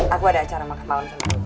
aku ada acara makan malam sama fifi